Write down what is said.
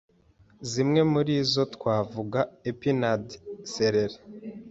zimwe muri zo twavuga epinard, celeri,